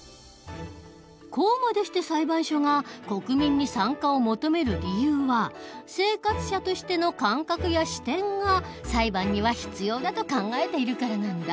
こうまでして裁判所が国民に参加を求める理由は生活者として感覚や視点が裁判には必要だと考えているからなんだ。